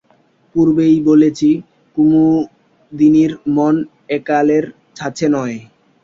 পূর্বেই বলেছি কুমুদিনীর মন একালের ছাঁচে নয়।